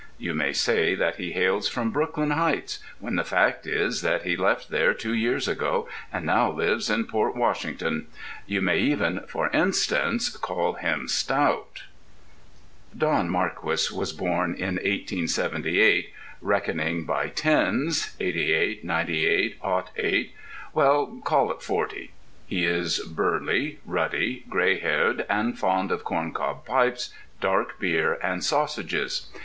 You may say that he hails from Brooklyn Heights when the fact is that he left there two years ago and now lives in Port Washington. You may even (for instance) call him stout.... Don Marquis was born in 1878; reckoning by tens, '88, '98, '08—well, call it forty. He is burly, ruddy, gray haired, and fond of corncob pipes, dark beer, and sausages.